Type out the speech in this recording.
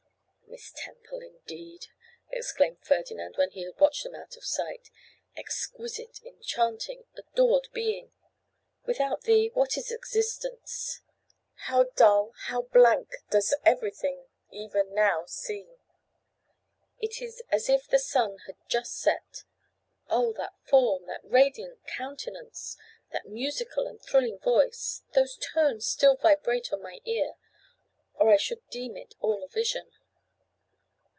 'Miss Temple, indeed!' exclaimed Ferdinand, when he had watched them out of sight. 'Exquisite, enchanting, adored being! Without thee what is existence? How dull, how blank does everything even now seem! It is as if the sun had just set! Oh! that form! that radiant countenance! that musical and thrilling voice! Those tones still vibrate on my ear, or I should deem it all a vision!